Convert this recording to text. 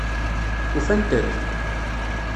Ufant-t?